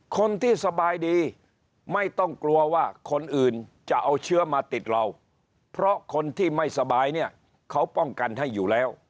คนที่สบายดีไม่ต้องกลัวว่าคนอื่นจะเอาเชื้อมาติดเราเพราะคนที่ไม่สบายเนี่ยเขาป้องกันให้อยู่แล้ว